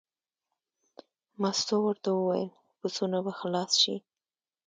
مستو ورته وویل: پسونه به خلاص شي.